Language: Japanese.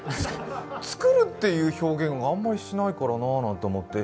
作るという表現、あまりしないからななんて思って。